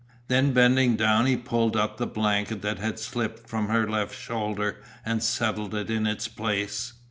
Then bending down he pulled up the blanket that had slipped from her left shoulder and settled it in its place.